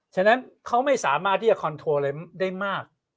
ฉะนั้นเขาไม่สามารถที่จะคอนโทรอะไรได้มาก